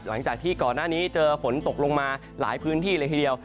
หลังจากที่ก่อนหน้านี้เจอฝนตกลงมาหลายพื้นที่เลยทีเดียว